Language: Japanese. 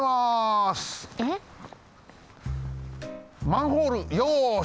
マンホールよし！